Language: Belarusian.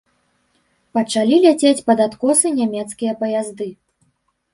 Пачалі ляцець пад адкосы нямецкія паязды.